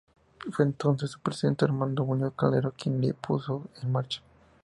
Fue entonces su presidente Armando Muñoz Calero quien la puso en marcha.